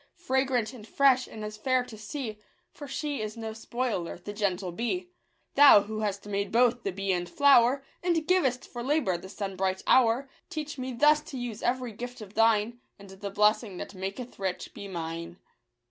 Fragrant and fresh, and as fair to see ; For she is no spoiler, the gentle bee ! Thou, who hast made both the bee and flower, And givest for labour the sunbright hour, Teach me thus to use every gift of Thine ; And the blessing that maketh rich be mine.